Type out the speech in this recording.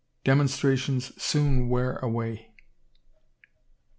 Demonstrations soon wear away."